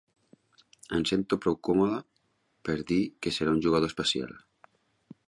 Em sento prou còmode per dir que serà un jugador especial.